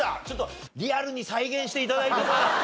ちょっとリアルに再現して頂いても？